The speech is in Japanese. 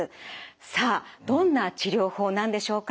さあどんな治療法なんでしょうか。